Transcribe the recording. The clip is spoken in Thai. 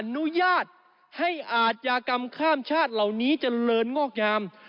อนุญาตให้อาชญากรรมข้ามชาติเหล่านี้เจริญงอกงาม